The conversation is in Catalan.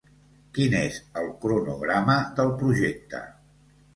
Quin és el cronograma del projecte?